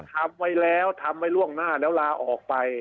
ทำไว้แล้วทำไว้ล่วงหน้าแล้วลาออกไป